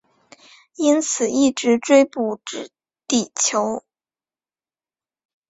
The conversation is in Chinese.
因此一直追捕至地球。